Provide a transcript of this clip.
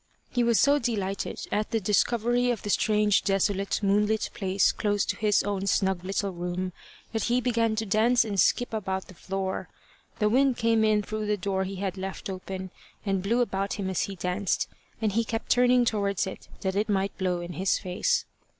He was so delighted at the discovery of the strange, desolate, moonlit place close to his own snug little room, that he began to dance and skip about the floor. The wind came in through the door he had left open, and blew about him as he danced, and he kept turning towards it that it might blow in his face.